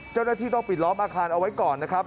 เจ้าหน้าที่ต้องปิดล้อมอาคารเอาไว้ก่อนนะครับ